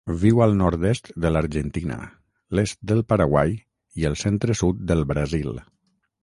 Viu al nord-est de l'Argentina, l'est del Paraguai i el centre-sud del Brasil.